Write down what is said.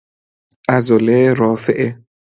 عضله رافعه